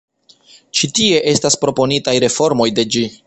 Ĉi tie estas proponitaj reformoj de ĝi.